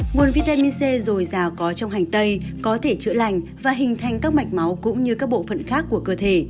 nguồn vitamin c dồi dào có trong hành tây có thể chữa lành và hình thành các mạch máu cũng như các bộ phận khác của cơ thể